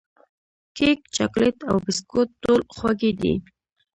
کیک، چاکلېټ او بسکوټ ټول خوږې دي.